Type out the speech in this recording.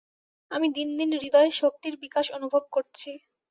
আমি দিন দিন হৃদয়ে শক্তির বিকাশ অনুভব করছি।